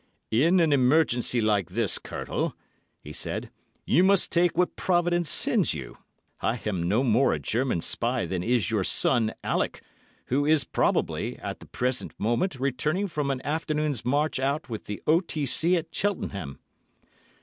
"In an emergency like this, Colonel R——," he said, "you must take what Providence sends you. I am no more a German spy than is your son, Alec, who is, probably, at the present moment returning from an afternoon's march out with the O.T.C. at Cheltenham."